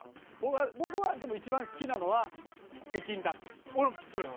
僕はでも一番好きなのは北京ダックです。